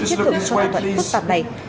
trước được thỏa thuận phức tạp này